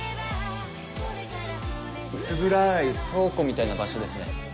薄暗い倉庫みたいな場所ですね。